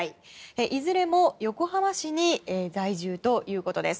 いずれも横浜市に在住ということです。